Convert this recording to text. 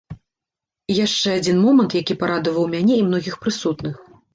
І яшчэ адзін момант, які парадаваў мяне і многіх прысутных.